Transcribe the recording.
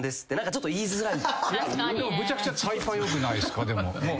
でもむちゃくちゃタイパ良くないですか？